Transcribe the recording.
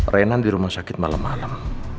renan di rumah sakit malem malem